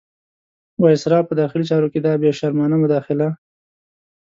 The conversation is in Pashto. وایسرا په داخلي چارو کې دا بې شرمانه مداخله.